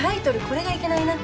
これがいけないな。